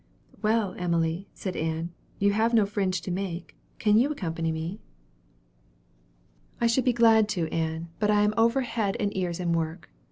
"Well, Emily," said Ann, "you have no fringe to make, can't you accompany me?" "I should be glad to, Ann; but I am over head and ears in work.